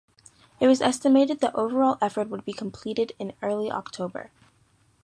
It was estimated the overall effort would be completed in early October.